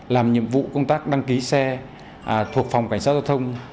làm nhiệm vụ công tác đăng ký xe thuộc phòng cảnh sát giao thông